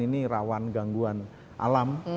ini rawan gangguan alam